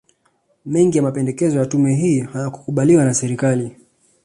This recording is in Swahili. Mengi ya mapendekezo ya tume hii hayakukubaliwa na Serikali